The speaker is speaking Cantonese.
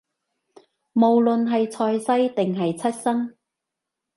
無論係財勢，定係出身